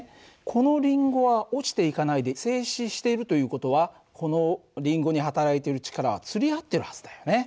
このりんごは落ちていかないで静止しているという事はこのりんごに働いている力はつり合ってるはずだよね。